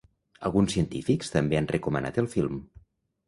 Alguns científics també han recomanat el film.